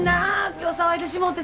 今日騒いでしもうてさっき。